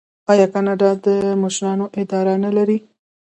آیا کاناډا د مشرانو اداره نلري؟